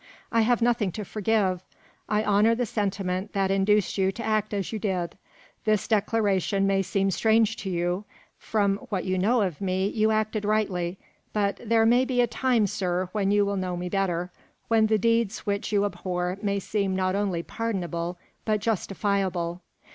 "I have nothing to forgive. I honour the sentiment that induced you to act as you did. This declaration may seem strange to you. From what you knew of me, you acted rightly; but there may be a time, sir, when you will know me better: when the deeds which you abhor may seem not only pardonable, but justifiable.